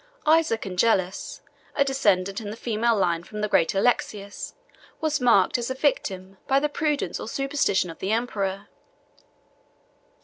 Isaac Angelus, a descendant in the female line from the great Alexius, was marked as a victim by the prudence or superstition of the emperor.